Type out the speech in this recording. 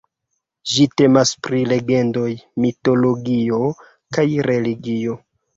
Ĝi temas pri legendoj, mitologio kaj religio.